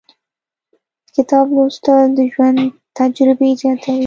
• کتاب لوستل، د ژوند تجربې زیاتوي.